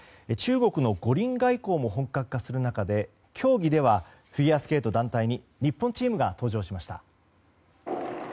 中国の五輪外交も本格化する中で競技ではフィギュアスケート団体に日本チームが登場しました。